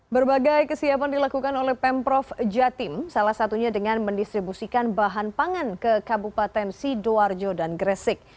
berbagai kesiapan dilakukan oleh pemprov jatim salah satunya dengan mendistribusikan bahan pangan ke kabupaten sidoarjo dan gresik